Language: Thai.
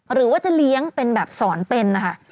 หรือว่าจะเลี้ยงเป็นแบบสอนเป็นนะคะ